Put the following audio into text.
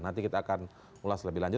nanti kita akan ulas lebih lanjut